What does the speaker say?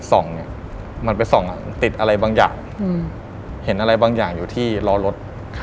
ส่องเนี่ยมันไปส่องติดอะไรบางอย่างเห็นอะไรบางอย่างอยู่ที่ล้อรถ